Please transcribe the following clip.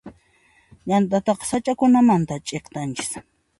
Llant'ataqa sach'akunamanta ch'iktanchis.